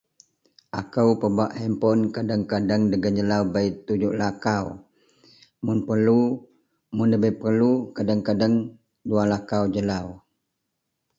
akou pebak handpon kadeng-kadeng dagen jelau bei tujuk lakau mun perlu mun debei perlu kadeng-kadeng dua lakau jelau